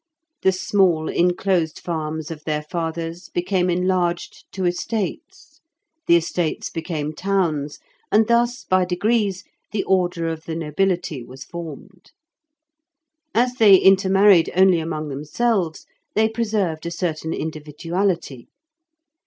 The small enclosed farms of their fathers became enlarged to estates, the estates became towns, and thus, by degrees, the order of the nobility was formed. As they intermarried only among themselves, they preserved a certain individuality.